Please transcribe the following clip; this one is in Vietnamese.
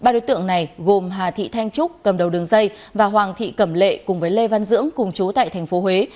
ba đối tượng này gồm hà thị thanh trúc cầm đầu đường dây và hoàng thị cẩm lệ cùng với lê văn dưỡng cùng chú tại tp huế